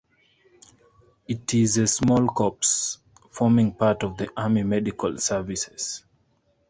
It is a small corps, forming part of the Army Medical Services.